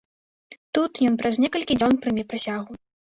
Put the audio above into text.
Тут ён праз некалькі дзён прыме прысягу.